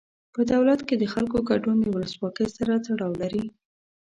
په دولت کې د خلکو ګډون د ولسواکۍ سره تړاو لري.